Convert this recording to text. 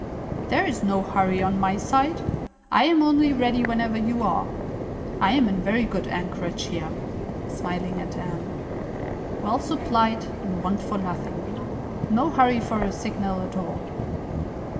"There is no hurry on my side. I am only ready whenever you are. I am in very good anchorage here," (smiling at Anne,) "well supplied, and want for nothing. No hurry for a signal at all.